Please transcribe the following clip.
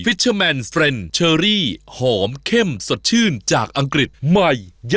ฯนิษย์เอ๋ไอ้แทนเป็นไงกันบ้างเนี่ย